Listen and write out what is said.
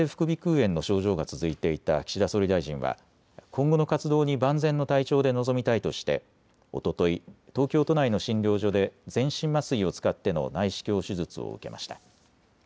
炎の症状が続いていた岸田総理大臣は今後の活動に万全の体調で臨みたいとして、おととい東京都内の診療所で全身麻酔を使っての内視鏡手術を受けました。